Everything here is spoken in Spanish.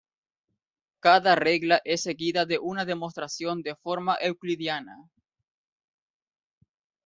Cada regla es seguida de una demostración de forma euclidiana.